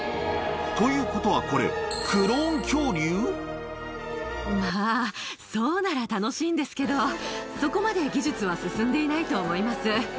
ということはこれ、まあ、そうなら楽しいんですけど、そこまで技術は進んでいないと思います。